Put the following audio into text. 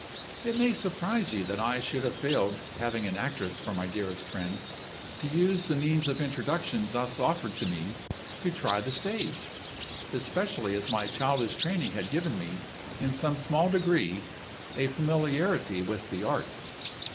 "It may surprise you that I should have failed (having an actress for my dearest friend) to use the means of introduction thus offered to me to try the stage especially as my childish training had given me, in some small degree, a familiarity with the Art.